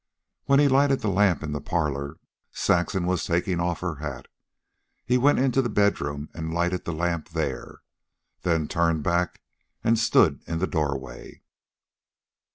While he lighted the lamp in the parlor, Saxon was taking off her hat. He went into the bedroom and lighted the lamp there, then turned back and stood in the doorway.